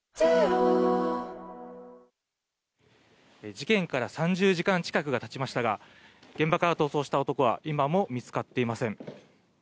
事件から３０時間近くが経ちましたが現場から逃走した男は今も見つかっていません。